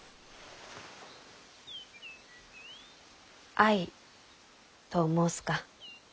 愛と申すか。